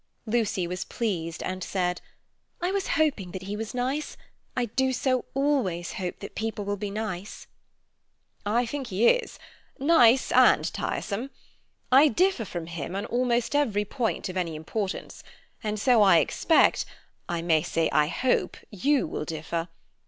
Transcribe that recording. Lucy was pleased, and said: "I was hoping that he was nice; I do so always hope that people will be nice." "I think he is; nice and tiresome. I differ from him on almost every point of any importance, and so, I expect—I may say I hope—you will differ.